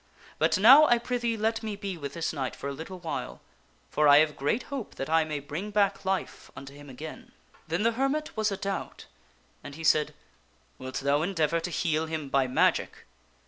But now I prithee let me be with this knight for a little while, for I have great hope that I may bring back life unto him again." Then the hermit was a doubt and he said, " Wilt thou endeavor to heal him by magic?"